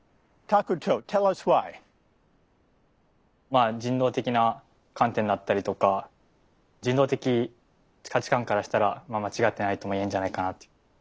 まあ人道的な観点だったりとか人道的価値観からしたら間違ってないともいえるんじゃないかなと。